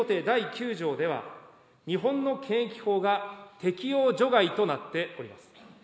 第９条では日本の検疫法が適用除外となっております。